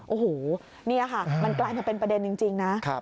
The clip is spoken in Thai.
โอ้โหนี่ค่ะมันกลายมาเป็นประเด็นจริงนะ